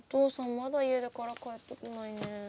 まだ家出から帰ってこないね。